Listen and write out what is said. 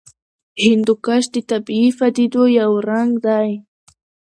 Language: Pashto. هندوکش د طبیعي پدیدو یو رنګ دی.